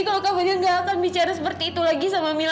kalau kak fadil gak akan bicara seperti itu lagi sama mila